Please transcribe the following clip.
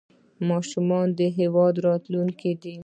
ماشومان د هېواد راتلونکی دی